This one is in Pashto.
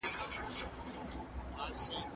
سړي په خپلې تېروتنې باندې په دربار کې اعتراف وکړ.